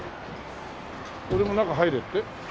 俺も中入れって？